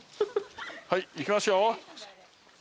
はいいきますよ。